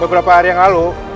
beberapa hari yang lalu